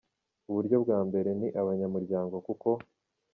Uburyo bwa mbere ni abanyamuryango kuko